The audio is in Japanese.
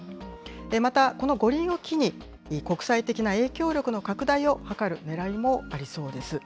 またこの五輪を機に、国際的な影響力の拡大を図るねらいもありそうです。